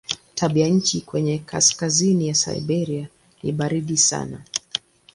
Tabianchi kwenye kaskazini ya Siberia ni baridi sana.